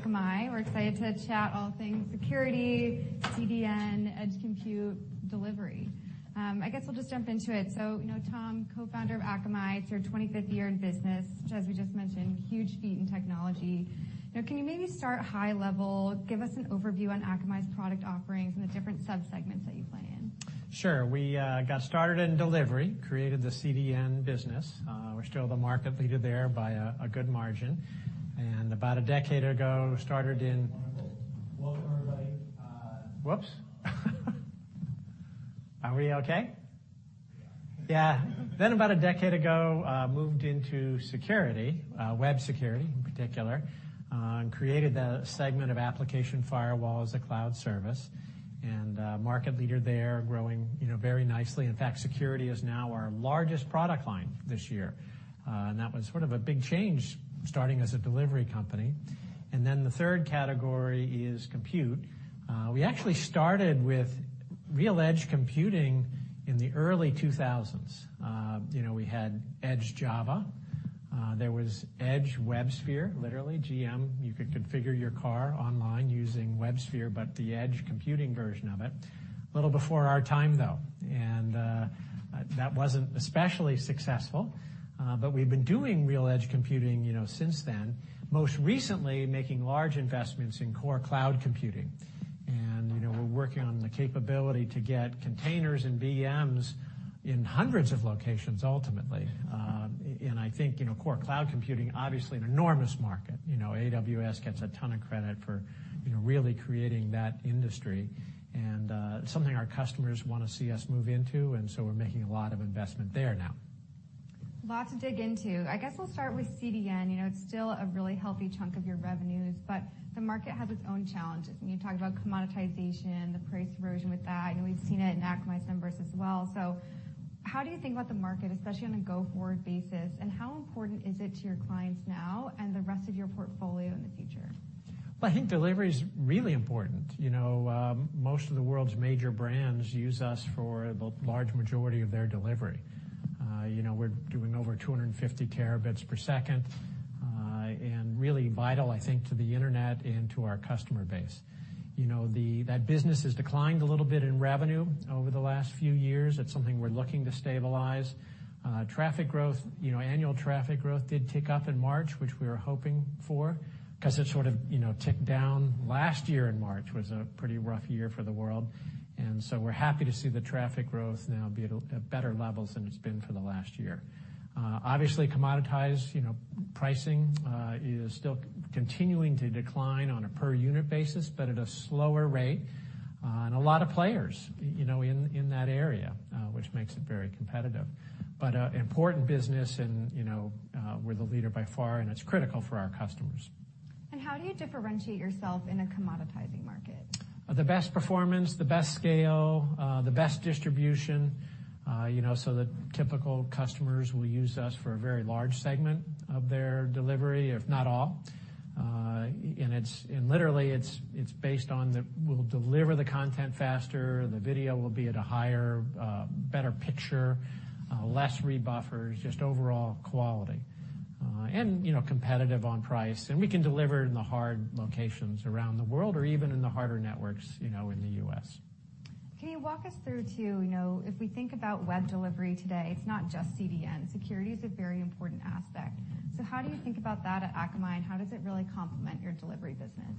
From Akamai. We're excited to chat all things security, CDN, edge compute, delivery. I guess I'll just jump into it. You know, Tom, co-founder of Akamai, it's your 25th year in business, which, as we just mentioned, huge feat in technology. You know, can you maybe start high level, give us an overview on Akamai's product offerings and the different sub-segments that you play in? Sure. We got started in delivery, created the CDN business. We're still the market leader there by a good margin, and about a decade ago, started in- Welcome, everybody. Whoops! Are we okay? Yeah. Yeah. About a decade ago, moved into security, web security in particular, and created the segment of application firewall as a cloud service, and market leader there, growing, you know, very nicely. In fact, security is now our largest product line this year. That was sort of a big change, starting as a delivery company. The third category is compute. We actually started with real edge computing in the early 2000s. you know, we had Edge Java. There was Edge WebSphere, literally GM, you could configure your car online using WebSphere, but the edge computing version of it. A little before our time, though, and that wasn't especially successful. But we've been doing real edge computing, you know, since then, most recently making large investments in core cloud computing. You know, we're working on the capability to get containers and VMs in hundreds of locations, ultimately. I think, you know, core cloud computing, obviously an enormous market. You know, AWS gets a ton of credit for, you know, really creating that industry, and something our customers wanna see us move into, and so we're making a lot of investment there now. A lot to dig into. I guess we'll start with CDN. You know, it's still a really healthy chunk of your revenues, but the market has its own challenges. You talked about commoditization, the price erosion with that. I know we've seen it in Akamai's numbers as well. How do you think about the market, especially on a go-forward basis, and how important is it to your clients now and the rest of your portfolio in the future? Well, I think delivery is really important. You know, most of the world's major brands use us for the large majority of their delivery. You know, we're doing over 250 terabits per second, really vital, I think, to the internet and to our customer base. You know, That business has declined a little bit in revenue over the last few years. It's something we're looking to stabilize. Traffic growth, you know, annual traffic growth did tick up in March, which we were hoping for, 'cause it sort of, you know, ticked down last year in March. It was a pretty rough year for the world. So we're happy to see the traffic growth now be at better levels than it's been for the last year. Obviously, commoditized, you know, pricing, is still continuing to decline on a per-unit basis but at a slower rate. A lot of players, you know, in that area, which makes it very competitive. Important business and, you know, we're the leader by far, and it's critical for our customers. How do you differentiate yourself in a commoditizing market? The best performance, the best scale, the best distribution. You know, the typical customers will use us for a very large segment of their delivery, if not all. We'll deliver the content faster, the video will be at a higher, better picture, less rebuffers, just overall quality, and, you know, competitive on price. We can deliver in the hard locations around the world or even in the harder networks, you know, in the U.S. Can you walk us through, too, you know, if we think about web delivery today, it's not just CDN. Security is a very important aspect. How do you think about that at Akamai, and how does it really complement your delivery business?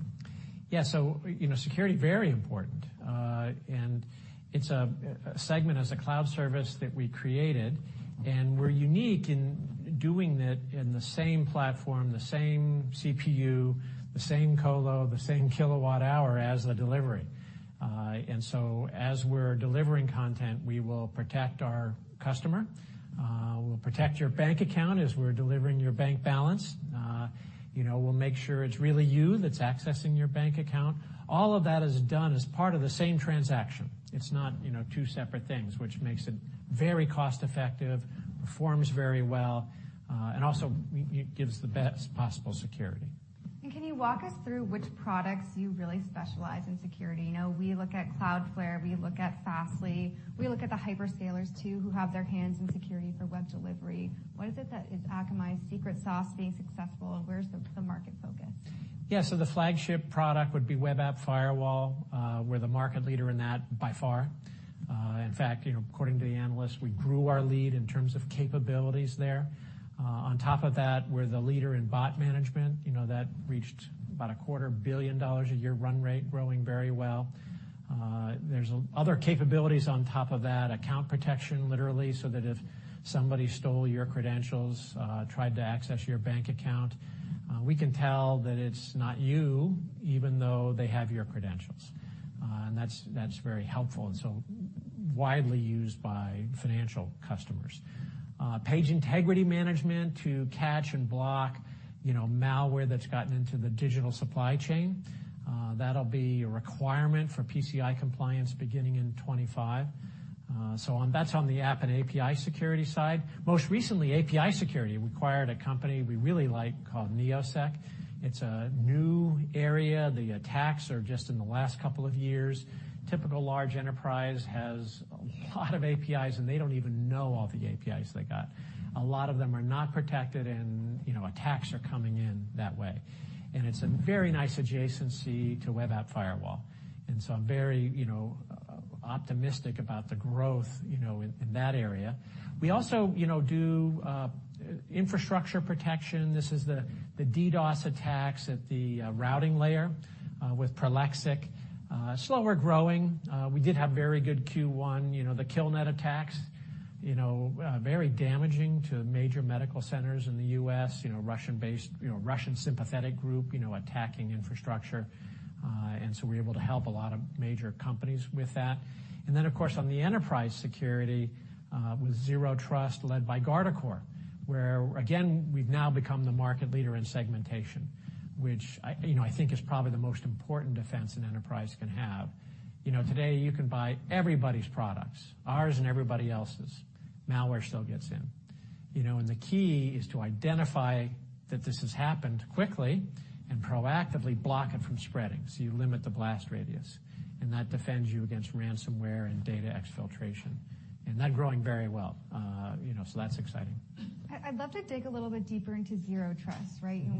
You know, security, very important. It's a segment as a cloud service that we created, and we're unique in doing it in the same platform, the same CPU, the same colo, the same kilowatt hour as the delivery. As we're delivering content, we will protect our customer. We'll protect your bank account as we're delivering your bank balance. You know, we'll make sure it's really you that's accessing your bank account. All of that is done as part of the same transaction. It's not, you know, two separate things, which makes it very cost-effective, performs very well, it gives the best possible security. Can you walk us through which products you really specialize in security? You know, we look at Cloudflare, we look at Fastly, we look at the hyperscalers, too, who have their hands in security for web delivery. What is it that is Akamai's secret sauce being successful, and where's the market focus? The flagship product would be Web App Firewall. We're the market leader in that by far. In fact, you know, according to the analysts, we grew our lead in terms of capabilities there. On top of that, we're the leader in Bot Manager. That reached about a quarter billion dollars a year run rate, growing very well. There's other capabilities on top of that, Account Protector, literally, so that if somebody stole your credentials, tried to access your bank account, we can tell that it's not you, even though they have your credentials. That's very helpful, and so widely used by financial customers. Page Integrity Manager to catch and block, you know, malware that's gotten into the digital supply chain. That'll be a requirement for PCI compliance beginning in 2025. That's on the App & API security side. Most recently, API security. We acquired a company we really like called Neosec. It's a new area. The attacks are just in the last couple of years. Typical large enterprise has a lot of APIs, and they don't even know all the APIs they got. A lot of them are not protected, and, you know, attacks are coming in that way, and it's a very nice adjacency to Web App Firewall. I'm very, you know, optimistic about the growth, you know, in that area. We also, you know, do infrastructure protection. This is the DDoS attacks at the routing layer with Prolexic. Slower growing, we did have very good Q1, you know, the KillNet attacks, you know, very damaging to major medical centers in the US, you know, Russian-based, you know, Russian-sympathetic group, you know, attacking infrastructure. So we're able to help a lot of major companies with that. Then, of course, on the enterprise security, with zero trust led by Guardicore, where again, we've now become the market leader in segmentation, which I, you know, I think is probably the most important defense an enterprise can have. You know, today you can buy everybody's products, ours and everybody else's. malware still gets in, you know, and the key is to identify that this has happened quickly and proactively block it from spreading, so you limit the blast radius, and that defends you against ransomware and data exfiltration, and that growing very well, you know, so that's exciting. I'd love to dig a little bit deeper into zero trust, right? You know,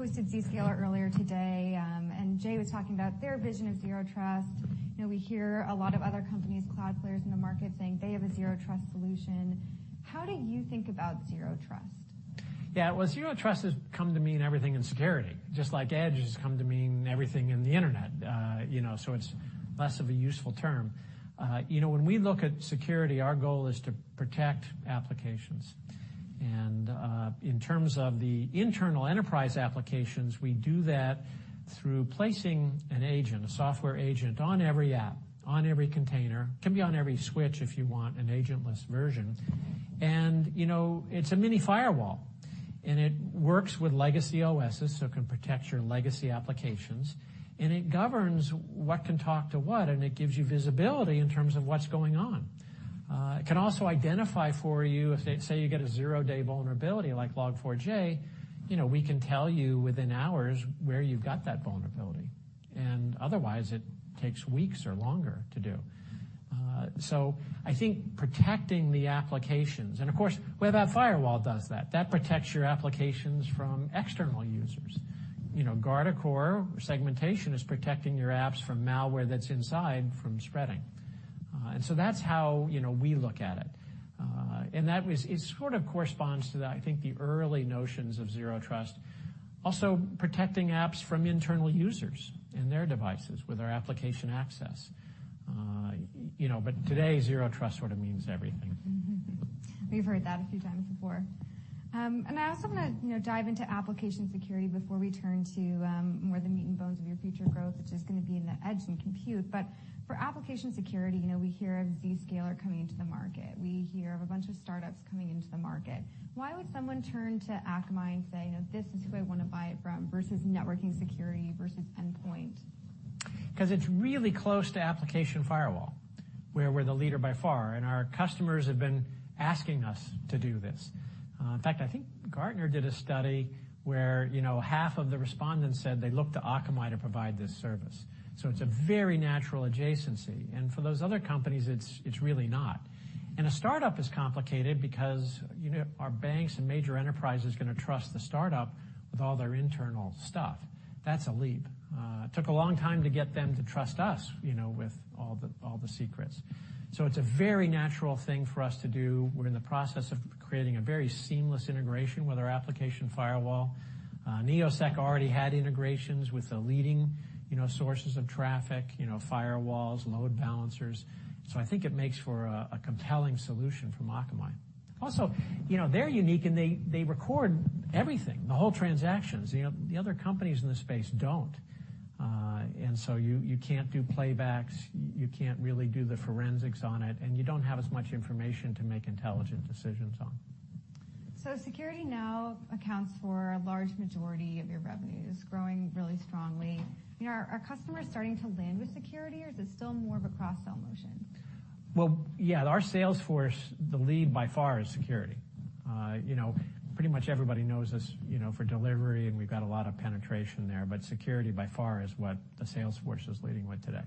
we hosted Zscaler earlier today, Jay was talking about their vision of zero trust. You know, we hear a lot of other companies, cloud players in the market, saying they have a zero trust solution. How do you think about zero trust? Well, zero trust has come to mean everything in security, just like edge has come to mean everything in the internet. You know, it's less of a useful term. You know, when we look at security, our goal is to protect applications. In terms of the internal enterprise applications, we do that through placing an agent, a software agent, on every app, on every container, can be on every switch if you want an agentless version. You know, it's a mini firewall, and it works with legacy OSS, so it can protect your legacy applications, and it governs what can talk to what, and it gives you visibility in terms of what's going on. It can also identify for you if, say, you get a zero-day vulnerability like Log4j, you know, we can tell you within hours where you've got that vulnerability, and otherwise it takes weeks or longer to do. I think protecting the applications, and of course, Web App Firewall does that. That protects your applications from external users. You know, Guardicore segmentation is protecting your apps from malware that's inside from spreading. That's how, you know, we look at it. It sort of corresponds to that, I think, the early notions of zero trust. Also, protecting apps from internal users and their devices with our application access. You know, today, zero trust sort of means everything. We've heard that a few times before. I also want to, you know, dive into application security before we turn to more of the meat and bones of your future growth, which is going to be in the edge compute. For application security, you know, we hear of Zscaler coming into the market. We hear of a bunch of startups coming into the market. Why would someone turn to Akamai and say, "This is who I want to buy it from," versus networking security versus endpoint? Because it's really close to application firewall, where we're the leader by far, and our customers have been asking us to do this. In fact, I think Gartner did a study where, you know, half of the respondents said they looked to Akamai to provide this service, so it's a very natural adjacency. For those other companies, it's really not. A startup is complicated because, you know, are banks and major enterprises going to trust the startup with all their internal stuff? That's a leap. It took a long time to get them to trust us, you know, with all the secrets. It's a very natural thing for us to do. We're in the process of creating a very seamless integration with our application firewall. Neosec already had integrations with the leading, you know, sources of traffic, you know, firewalls, load balancers, so I think it makes for a compelling solution from Akamai. Also, you know, they're unique, and they record everything, the whole transactions. You know, the other companies in this space don't, and so you can't do playbacks, you can't really do the forensics on it, and you don't have as much information to make intelligent decisions on. Security now accounts for a large majority of your revenues, growing really strongly. You know, are customers starting to land with security, or is it still more of a cross-sell motion? Well, yeah, our sales force, the lead by far is security. you know, pretty much everybody knows us, you know, for delivery, and we've got a lot of penetration there, but security by far is what the sales force is leading with today.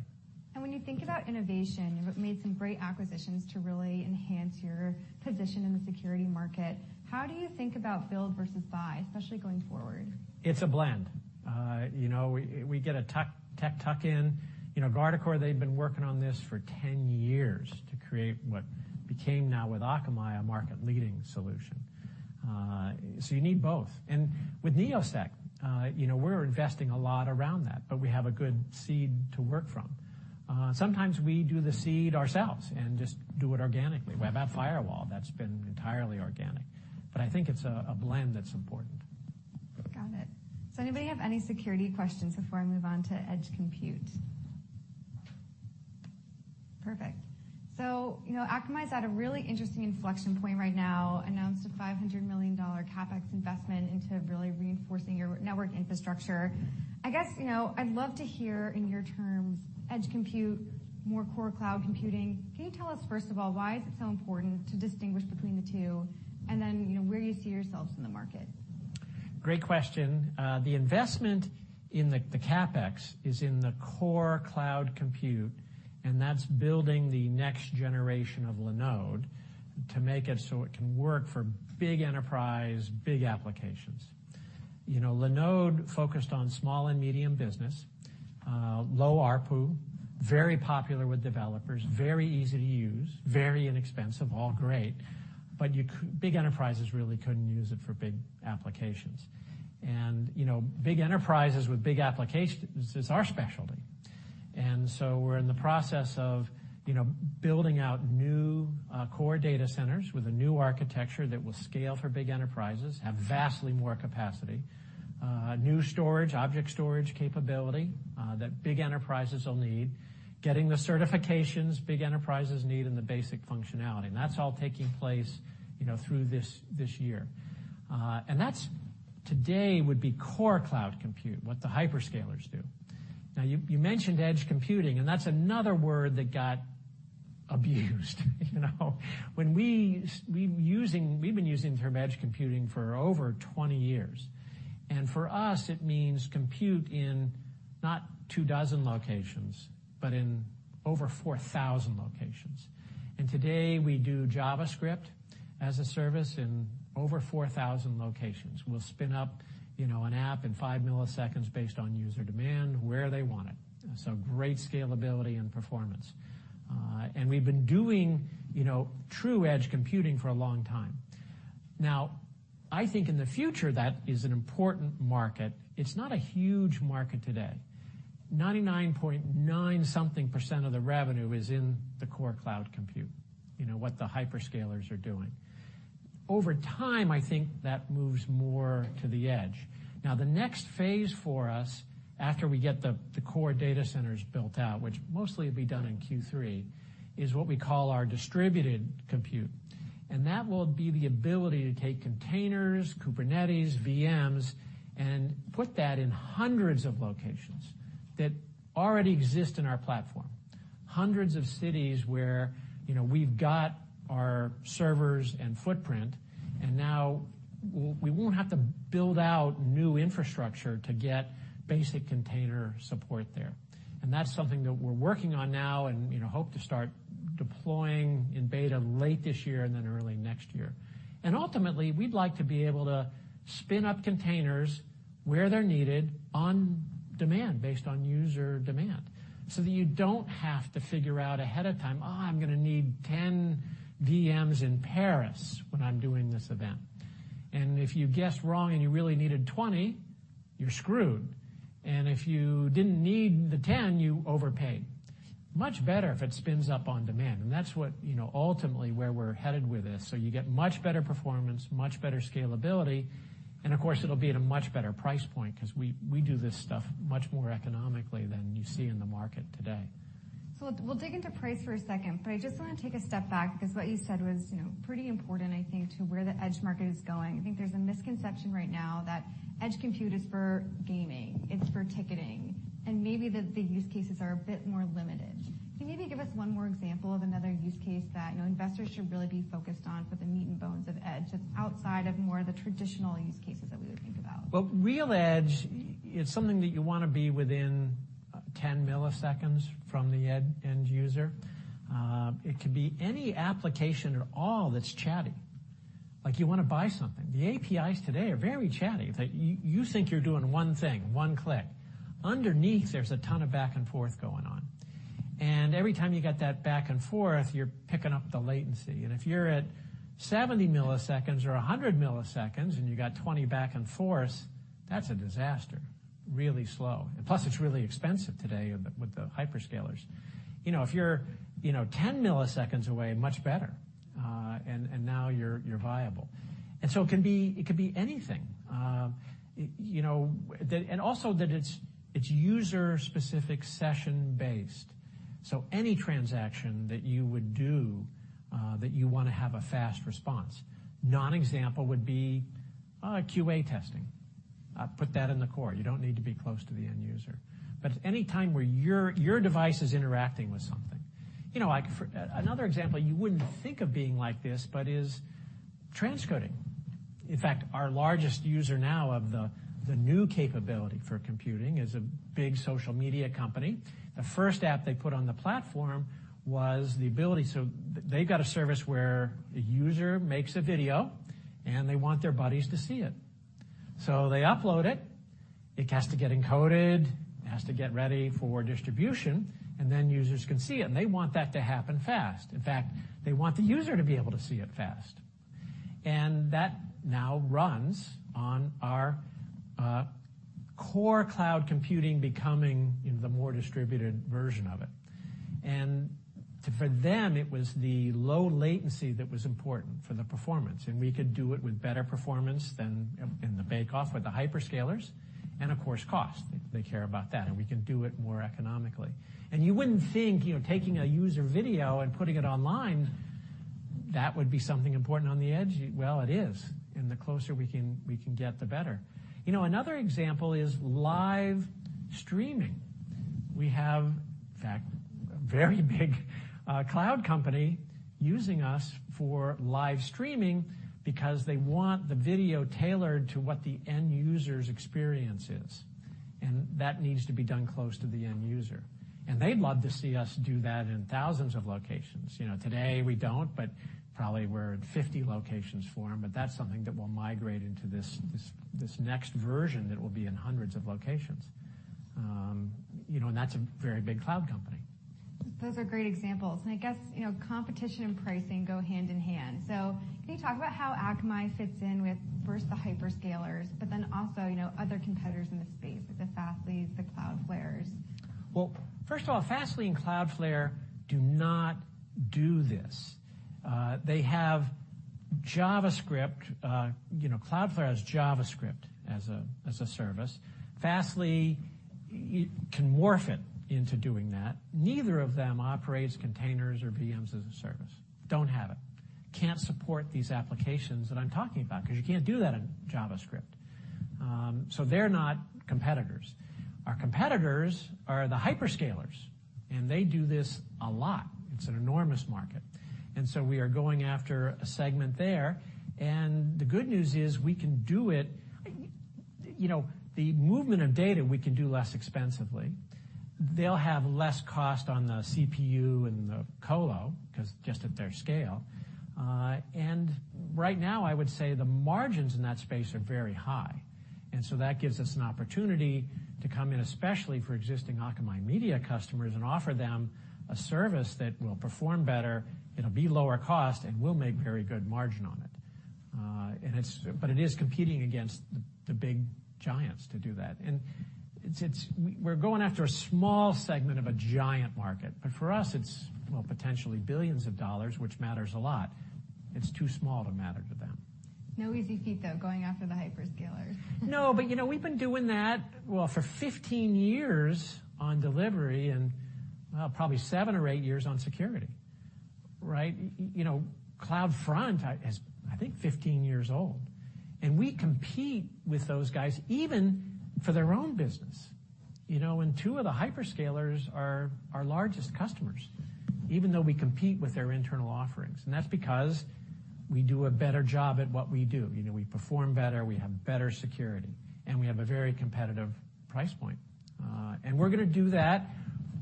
When you think about innovation, you've made some great acquisitions to really enhance your position in the security market. How do you think about build versus buy, especially going forward? It's a blend. you know, we get a tech tuck in. You know, Guardicore, they've been working on this for 10 years to create what became now, with Akamai, a market-leading solution. you need both. With Neosec, you know, we're investing a lot around that, but we have a good seed to work from. Sometimes we do the seed ourselves and just do it organically. Web App Firewall, that's been entirely organic. I think it's a blend that's important. Got it. Does anybody have any security questions before I move on to edge compute? Perfect. You know, Akamai's at a really interesting inflection point right now, announced a $500 million CapEx investment into really reinforcing your network infrastructure, I guess, you know, I'd love to hear in your terms, edge compute, more core cloud computing. Can you tell us, first of all, why is it so important to distinguish between the two, and then, you know, where you see yourselves in the market? Great question. The investment in the CapEx is in the core cloud compute, and that's building the next generation of Linode to make it so it can work for big enterprise, big applications. You know, Linode focused on small and medium business, low ARPU, very popular with developers, very easy to use, very inexpensive, all great, but big enterprises really couldn't use it for big applications. You know, big enterprises with big applications is our specialty. We're in the process of, you know, building out new core data centers with a new architecture that will scale for big enterprises, have vastly more capacity, new storage, object storage capability, that big enterprises will need, getting the certifications big enterprises need and the basic functionality. That's all taking place, you know, through this year. That's, today, would be core cloud compute, what the hyperscalers do. You mentioned edge computing, that's another word that got abused, you know? When we've been using the term edge computing for over 20 years, for us, it means compute in not two dozen locations, but in over 4,000 locations. Today, we do JavaScript as a service in over 4,000 locations. We'll spin up, you know, an app in 5 ms based on user demand, where they want it, great scalability and performance. We've been doing, you know, true edge computing for a long time. I think in the future, that is an important market. It's not a huge market today. 99 point nine something% of the revenue is in the core cloud compute, you know, what the hyperscalers are doing. Over time, I think that moves more to the edge. The next phase for us, after we get the core data centers built out, which mostly will be done in Q3, is what we call our distributed compute, and that will be the ability to take containers, Kubernetes, VMs, and put that in hundreds of locations that already exist in our platform. Hundreds of cities where, you know, we won't have to build out new infrastructure to get basic container support there. That's something that we're working on now and, you know, hope to start deploying in beta late this year and then early next year. Ultimately, we'd like to be able to spin up containers where they're needed on demand, based on user demand. That you don't have to figure out ahead of time, oh, I'm gonna need 10 VMs in Paris when I'm doing this event. If you guessed wrong and you really needed 20 VMs, you're screwed, and if you didn't need the 10 VMs, you overpaid. Much better if it spins up on demand, and that's what, you know, ultimately where we're headed with this. You get much better performance, much better scalability, and of course, it'll be at a much better price point, 'cause we do this stuff much more economically than you see in the market today. We'll dig into price for a second, but I just wanna take a step back because what you said was, you know, pretty important, I think, to where the edge market is going. I think there's a misconception right now that edge compute is for gaming, it's for ticketing, and maybe the use cases are a bit more limited. Can you maybe give us one more example of another use case that, you know, investors should really be focused on for the meat and bones of edge, just outside of more of the traditional use cases that we would think about? Well, real edge, it's something that you wanna be within 10 milliseconds from the end user. It could be any application at all that's chatty, like you wanna buy something. The APIs today are very chatty. You think you're doing one thing, one click. Underneath, there's a ton of back and forth going on. Every time you get that back and forth, you're picking up the latency, and if you're at 70 ms or 100 ms, and you got 20 back and forth, that's a disaster. Really slow. Plus, it's really expensive today with the, with the hyperscalers. You know, if you're, you know, 10 ms away, much better, and now you're viable. It can be, it could be anything. You know, Also, that it's user-specific, session-based. Any transaction that you would do, that you wanna have a fast response. Non-example would be, QA testing. Put that in the core. You don't need to be close to the end user. Any time where your device is interacting with something. You know, like for, another example, you wouldn't think of being like this, but is transcoding. In fact, our largest user now of the new capability for computing is a big social media company. The first app they put on the platform was the ability. They've got a service where a user makes a video, and they want their buddies to see it. They upload it has to get encoded, it has to get ready for distribution, and then users can see it, and they want that to happen fast. In fact, they want the user to be able to see it fast. That now runs on our core cloud computing becoming, you know, the more distributed version of it. For them, it was the low latency that was important for the performance, and we could do it with better performance than in the bake-off with the hyperscalers, and of course, cost. They care about that, and we can do it more economically. You wouldn't think, you know, taking a user video and putting it online. That would be something important on the edge? Well, it is, and the closer we can get, the better. You know, another example is live streaming. We have, in fact, a very big cloud company using us for live streaming because they want the video tailored to what the end user's experience is, and that needs to be done close to the end user. They'd love to see us do that in thousands of locations. You know, today we don't, but probably we're at 50 locations for them, but that's something that will migrate into this next version that will be in hundreds of locations. You know, that's a very big cloud company. Those are great examples, and I guess, you know, competition and pricing go hand in hand. Can you talk about how Akamai fits in with, first, the hyperscalers, but then also, you know, other competitors in the space, the Fastly's, the Cloudflare's? Well, first of all, Fastly and Cloudflare do not do this. They have JavaScript. You know, Cloudflare has JavaScript as a service. Fastly, you can morph it into doing that. Neither of them operates containers or VMs as a service. Don't have it. Can't support these applications that I'm talking about, 'cause you can't do that in JavaScript. They're not competitors. Our competitors are the hyperscalers, and they do this a lot. It's an enormous market. We are going after a segment there, and the good news is we can do it... You know, the movement of data, we can do less expensively. They'll have less cost on the CPU and the colo, 'cause just at their scale. Right now, I would say the margins in that space are very high. That gives us an opportunity to come in, especially for existing Akamai media customers, and offer them a service that will perform better, it'll be lower cost, and we'll make very good margin on it. But it is competing against the big giants to do that. We're going after a small segment of a giant market. For us, it's, well, potentially billions of dollars, which matters a lot. It's too small to matter to them. No easy feat, though, going after the hyperscalers. You know, we've been doing that, well, for 15 years on delivery and, well, probably seven or eight years on security, right? You know, CloudFront is, I think, 15 years old, and we compete with those guys even for their own business, you know? Two of the hyperscalers are our largest customers, even though we compete with their internal offerings, and that's because we do a better job at what we do. You know, we perform better, we have better security, and we have a very competitive price point. We're gonna do that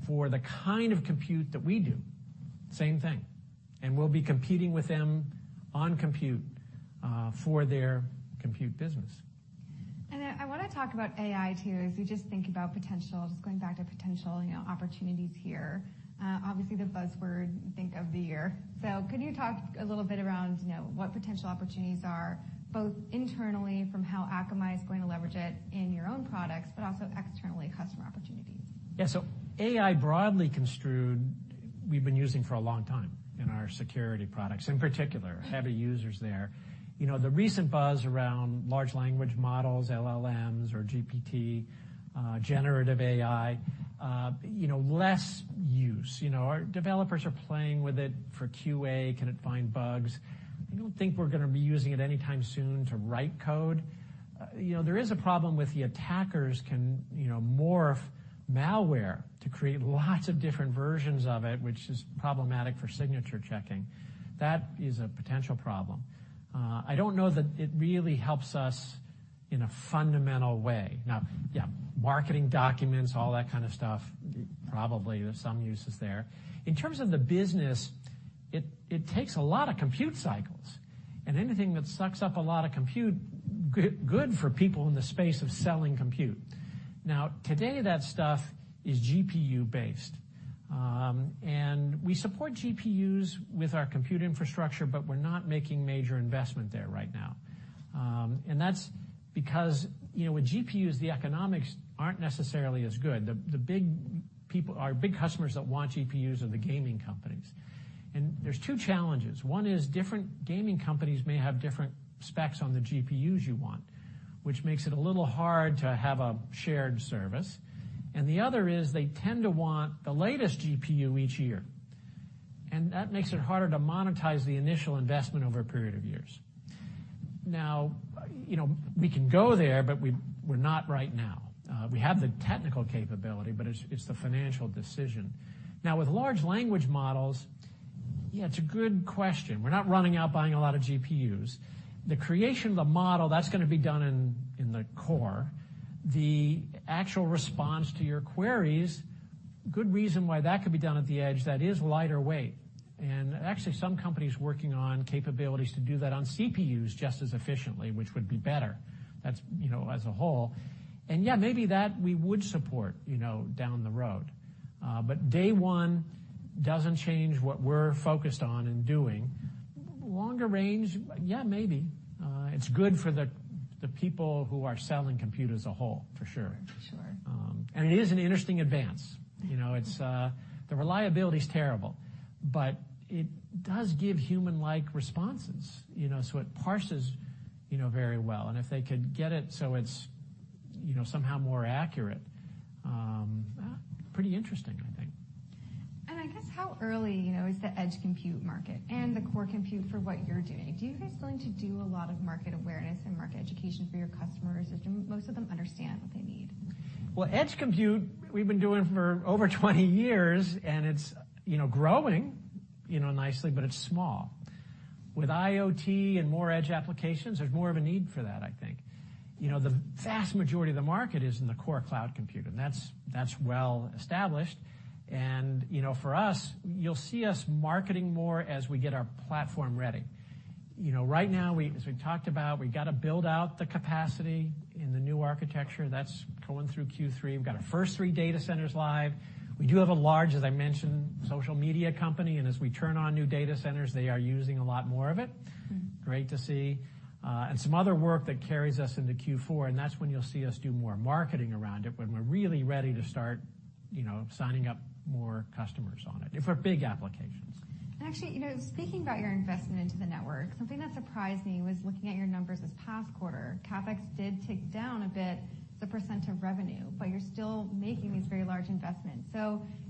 for the kind of compute that we do, same thing, and we'll be competing with them on compute for their compute business. I wanna talk about AI, too, as you just think about potential, just going back to potential, you know, opportunities here. Obviously, the buzzword, think, of the year. Could you talk a little bit around, you know, what potential opportunities are, both internally, from how Akamai is going to leverage it in your own products, but also externally, customer opportunities? AI, broadly construed, we've been using for a long time in our security products, in particular, heavy users there. You know, the recent buzz around Large Language Models, LLMs or GPT, generative AI, you know, less use. You know, our developers are playing with it for QA. Can it find bugs? I don't think we're gonna be using it anytime soon to write code. You know, there is a problem with the attackers can, you know, morph malware to create lots of different versions of it, which is problematic for signature checking. That is a potential problem. I don't know that it really helps us in a fundamental way. Marketing documents, all that kind of stuff, probably there's some uses there. In terms of the business, it takes a lot of compute cycles, and anything that sucks up a lot of compute, good for people in the space of selling compute. Now, today, that stuff is GPU-based, and we support GPUs with our compute infrastructure, but we're not making major investment there right now. That's because, you know, with GPUs, the economics aren't necessarily as good. Our big customers that want GPUs are the gaming companies. There's two challenges. One is different gaming companies may have different specs on the GPUs you want, which makes it a little hard to have a shared service, and the other is they tend to want the latest GPU each year, and that makes it harder to monetize the initial investment over a period of years. Now, you know, we can go there, but we're not right now. We have the technical capability, but it's the financial decision. Now, with large language models, yeah, it's a good question. We're not running out buying a lot of GPUs. The creation of the model, that's gonna be done in the core. The actual response to your queries, good reason why that could be done at the edge, that is lighter weight, and actually, some companies working on capabilities to do that on CPUs just as efficiently, which would be better, that's, you know, as a whole. Yeah, maybe that we would support, you know, down the road. Day one doesn't change what we're focused on and doing. Longer range, yeah, maybe. It's good for the people who are selling compute as a whole, for sure. For sure. It is an interesting advance. You know, it's. The reliability's terrible, but it does give human-like responses. You know, so it parses, you know, very well, and if they could get it so it's, you know, somehow more accurate. Pretty interesting, I think. I guess how early, you know, is the edge compute market and the core compute for what you're doing? Do you guys going to do a lot of market awareness and market education for your customers, or do most of them understand what they need? Edge compute, we've been doing for over 20 years, and it's, you know, growing, you know, nicely, but it's small. With IoT and more edge applications, there's more of a need for that, I think. You know, the vast majority of the market is in the core cloud compute, and that's well established. You know, for us, you'll see us marketing more as we get our platform ready. You know, right now, we, as we talked about, we got to build out the capacity in the new architecture that's going through Q3. We've got our first three data centers live. We do have a large, as I mentioned, social media company, and as we turn on new data centers, they are using a lot more of it. Mm-hmm. Great to see, and some other work that carries us into Q4, and that's when you'll see us do more marketing around it, when we're really ready to start, you know, signing up more customers on it, and for big applications. Actually, you know, speaking about your investment into the network, something that surprised me was looking at your numbers this past quarter. CapEx did tick down a bit, the percent of revenue, but you're still making these very large investments.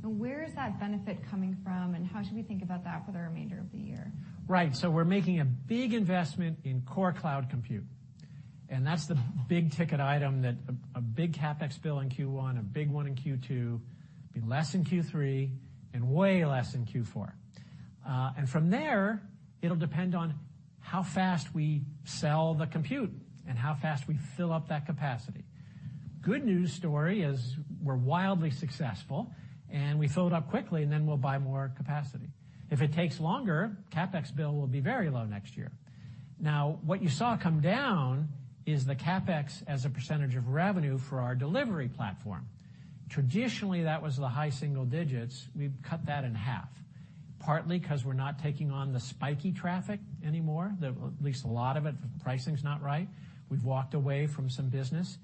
Where is that benefit coming from, and how should we think about that for the remainder of the year? Right. We're making a big investment in core cloud compute, that's the big ticket item that a big CapEx bill in Q1, a big one in Q2, be less in Q3, and way less in Q4. From there, it'll depend on how fast we sell the compute and how fast we fill up that capacity. Good news story is we're wildly successful, and we fill it up quickly, and then we'll buy more capacity. If it takes longer, CapEx bill will be very low next year. What you saw come down is the CapEx as a percentage of revenue for our delivery platform. Traditionally, that was the high single digits. We've cut that in half, partly because we're not taking on the spiky traffic anymore, at least a lot of it. If the pricing's not right, we've walked away from some business.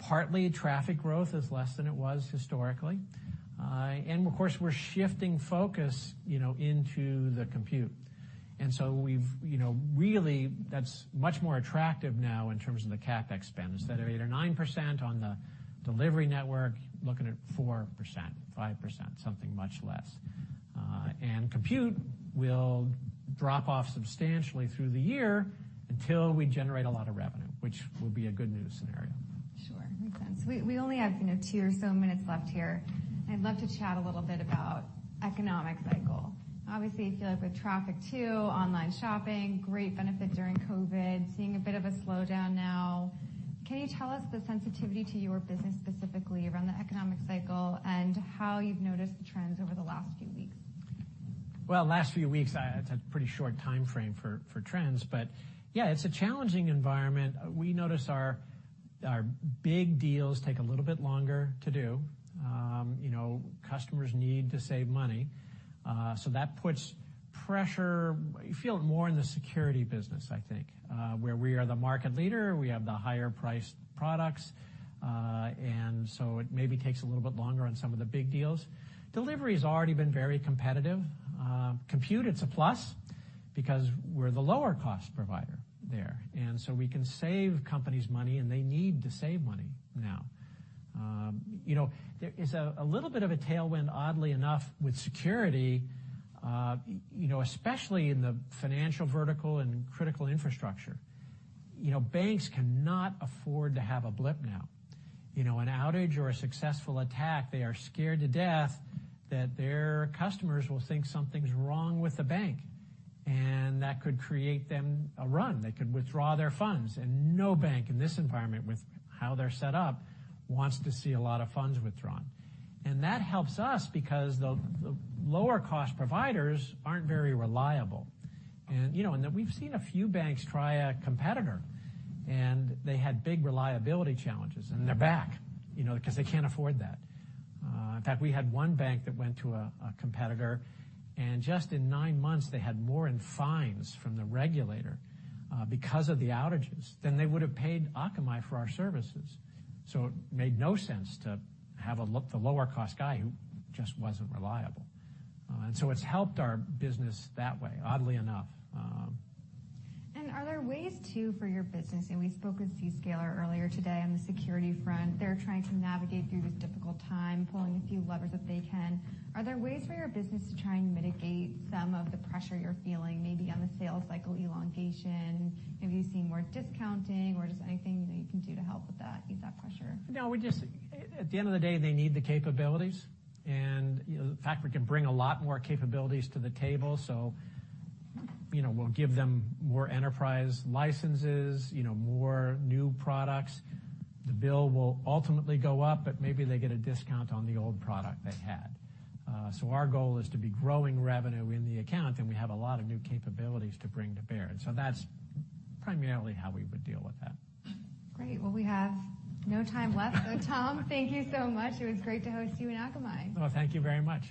Partly, traffic growth is less than it was historically. Of course, we're shifting focus, you know, into the compute. We've, you know, really, that's much more attractive now in terms of the CapEx spend. Instead of 8% or 9% on the delivery network, looking at 4%, 5%, something much less. Compute will drop off substantially through the year until we generate a lot of revenue, which will be a good news scenario. Sure. Makes sense. We only have, you know, two or so minutes left here. I'd love to chat a little bit about economic cycle. Obviously, you feel it with traffic, too, online shopping, great benefit during COVID, seeing a bit of a slowdown now. Can you tell us the sensitivity to your business, specifically around the economic cycle and how you've noticed the trends over the last few weeks? Last few weeks, it's a pretty short time frame for trends, yeah, it's a challenging environment. We notice our big deals take a little bit longer to do. You know, customers need to save money, that puts pressure. You feel it more in the security business, I think, where we are the market leader, we have the higher-priced products, it maybe takes a little bit longer on some of the big deals. Delivery has already been very competitive. Compute, it's a plus because we're the lower-cost provider there, we can save companies money, and they need to save money now. You know, there is a little bit of a tailwind, oddly enough, with security, you know, especially in the financial, vertical, and critical infrastructure. You know, banks cannot afford to have a blip now. You know, an outage or a successful attack, they are scared to death that their customers will think something's wrong with the bank, and that could create them a run. They could withdraw their funds, and no bank in this environment, with how they're set up, wants to see a lot of funds withdrawn. That helps us because the lower-cost providers aren't very reliable. You know, then we've seen a few banks try a competitor, and they had big reliability challenges, and they're back, you know, because they can't afford that. In fact, we had one bank that went to a competitor, and just in nine months, they had more in fines from the regulator because of the outages than they would have paid Akamai for our services. It made no sense to have a look, the lower-cost guy who just wasn't reliable. It's helped our business that way, oddly enough. Are there ways, too, for your business, and we spoke with Zscaler earlier today on the security front. They're trying to navigate through this difficult time, pulling a few levers that they can. Are there ways for your business to try and mitigate some of the pressure you're feeling, maybe on the sales cycle elongation? Maybe you're seeing more discounting, or just anything that you can do to help with that, ease that pressure? No. At the end of the day, they need the capabilities. In fact, you know, we can bring a lot more capabilities to the table. We'll give them more enterprise licenses, you know, more new products. The bill will ultimately go up. Maybe they get a discount on the old product they had. Our goal is to be growing revenue in the account. We have a lot of new capabilities to bring to bear. That's primarily how we would deal with that. Great. Well, we have no time left. Tom, thank you so much. It was great to host you in Akamai. Well, thank you very much.